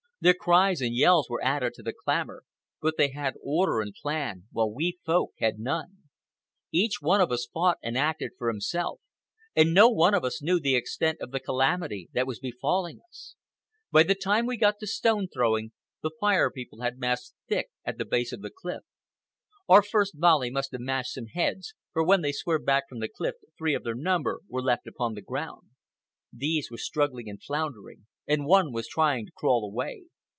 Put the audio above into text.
Their cries and yells were added to the clamor, but they had order and plan, while we Folk had none. Each one of us fought and acted for himself, and no one of us knew the extent of the calamity that was befalling us. By the time we got to stone throwing, the Fire People had massed thick at the base of the cliff. Our first volley must have mashed some heads, for when they swerved back from the cliff three of their number were left upon the ground. These were struggling and floundering, and one was trying to crawl away.